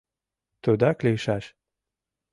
Тудак лийшаш!